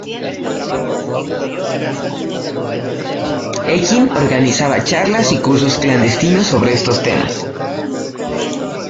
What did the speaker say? Ekin organizaba charlas y cursos clandestinos sobre estos temas.